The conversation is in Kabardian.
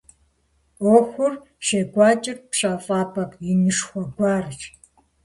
Ӏуэхур щекӀуэкӀыр пщэфӀапӀэ инышхуэ гуэрщ.